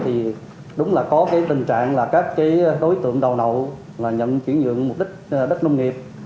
thì đúng là có cái tình trạng là các cái đối tượng đầu nậu là nhận chuyển nhượng mục đích đất nông nghiệp